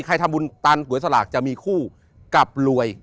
ใครทำบุญตันก๋วยสลากจะมีคู่กับรวย